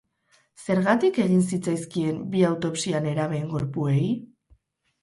Zergatik egin zitzaizkien bi autopsia nerabeen gorpuei?